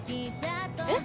えっ？